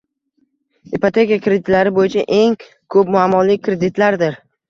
Ipoteka kreditlari boʻyicha eng koʻp muammoli kreditlardir